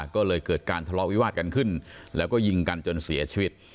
ก็เลยเกิดการทะเลาะวิวาสกันขึ้นแล้วก็ยิงกันจนเสียชีวิต